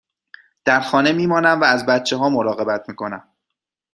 در خانه می مانم و از بچه ها مراقبت می کنم.